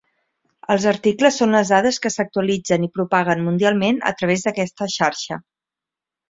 Els articles són les dades que s'actualitzen i propaguen mundialment a través d'aquesta xarxa.